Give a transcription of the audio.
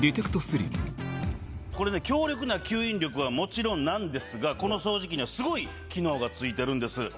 これね強力な吸引力はもちろんなんですがこの掃除機にはスゴい機能が付いてるんです。